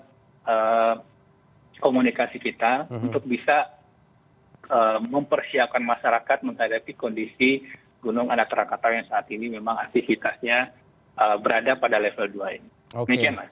ini adalah komunikasi kita untuk bisa mempersiapkan masyarakat menghadapi kondisi gunung anak rakatau yang saat ini memang aktivitasnya berada pada level dua ini